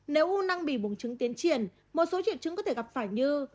nếu u năng bị buồn trứng tiến triển một số triệu trứng có thể gặp phải như